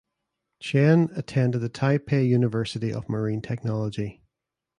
Chen attended the Taipei University of Marine Technology.